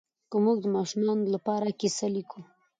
که موږ د ماشومانو لپاره کیسه لیکو